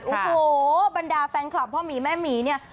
โอ้โหบรรดาแฟนคลับพ่อหมีแม่หมีเนี่ย